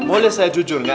boleh saya jujur nggak